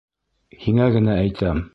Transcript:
Һиңә генә әйтәм.